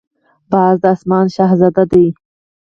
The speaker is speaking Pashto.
باز د آسمان شهزاده دی